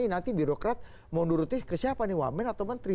nanti birokrat mau nurutin ke siapa nih wamen atau menteri